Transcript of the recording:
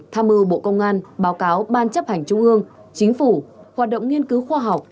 tham mưu bộ công an báo cáo ban chấp hành trung ương chính phủ hoạt động nghiên cứu khoa học